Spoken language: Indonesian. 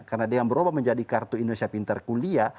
karena dengan berubah menjadi kartu indonesia pintar kuliah